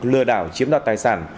lừa đảo chiếm đoạt tài sản